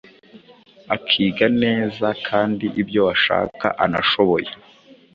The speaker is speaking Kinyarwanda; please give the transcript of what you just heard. akiga neza kandi ibyo ashaka anashoboye.